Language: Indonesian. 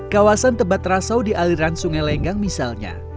kawasan tebat rasau di aliran sungai lenggang misalnya